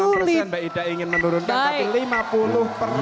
dua puluh persen mbak ida ingin menurunkan tapi lima puluh persen